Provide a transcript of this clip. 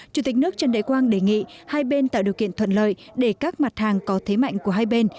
chủ tịch nước trần đại quang đề nghị hai bên tạo điều kiện thuận lợi để các mặt hàng có thế mạnh của hai bên